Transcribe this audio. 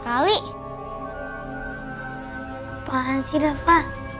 apaan sih rafa